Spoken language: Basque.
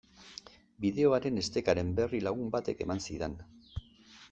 Bideoaren estekaren berri lagun batek eman zidan.